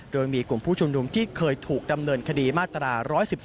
โดยมีกลุ่มผู้ชุมนุมที่เคยถูกดำเนินคดีมาตรา๑๑๒